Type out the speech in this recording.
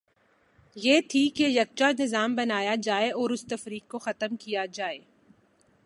تھی کہ یکجا نظا م بنایا جائے اور اس تفریق کو ختم کیا جائے۔